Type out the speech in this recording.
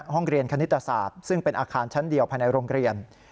ห้องเรียนคณิตศาสตร์ซึ่งเป็นอาคารชั้นเดียวภายในโรงเรียน